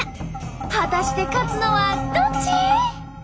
果たして勝つのはどっち！？